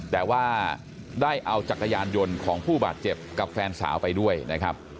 แต่ว่าได้เอาจักรยานยนต์ของผู้บาดเจ็บกับแฟนสาวไปด้วยนะครับ